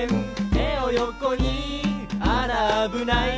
「てをよこにあらあぶない」